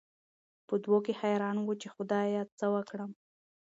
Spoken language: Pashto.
په دوو کې حېران وو، چې خدايه څه وکړم؟